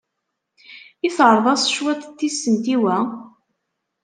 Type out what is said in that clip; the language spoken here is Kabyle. I terred-as cwiṭ n tisent i wa?